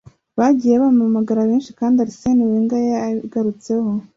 Bagiye bampamagara kenshi kandi na Arsene Wenger yabigarutseho